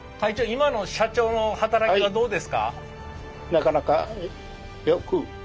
今の社長の働きはどうですか？